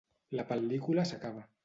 La pel·lícula s'acaba.